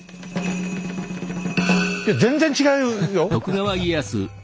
いや全然違うよ！